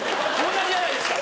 同じじゃないですか！